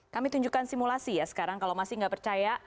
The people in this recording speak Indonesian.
kami tunjukkan simulasi ya sekarang kalau masih nggak percaya